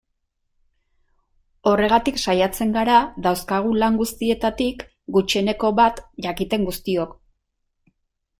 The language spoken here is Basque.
Horregatik saiatzen gara dauzkagun lan guztietatik gutxieneko bat jakiten guztiok.